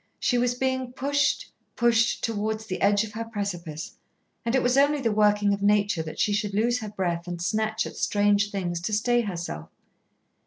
She was being pushed pushed towards the edge of her precipice, and it was only the working of Nature that she should lose her breath and snatch at strange things to stay herself.